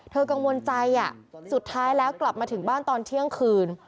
กังวลใจสุดท้ายแล้วกลับมาถึงบ้านตอนเที่ยงคืน